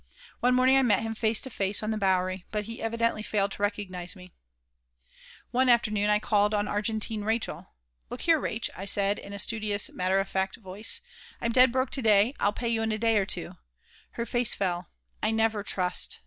One morning I met him, face to face, on the Bowery, but he evidently failed to recognize me One afternoon I called on Argentine Rachael. "Look here, Rachace," I said, in a studiously matter of fact voice, "I'm dead broke to day. I'll pay you in a day or two." Her face fell. "I never trust.